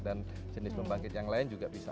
dan jenis pembangkit yang lain juga bisa